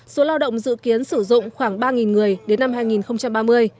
số lao động dự kiến sử dụng khoảng ba người đến năm hai nghìn ba mươi